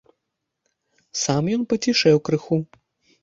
Сам ён пацішэў крыху.